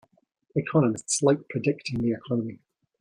Economists like predicting the Economy.